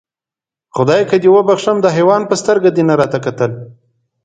خدایکه دې وبښم، د حیوان په سترګه دې نه راته کتل.